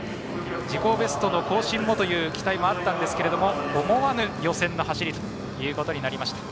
自己ベストの更新もという期待もあったんですが思わぬ予選の走りということになりました。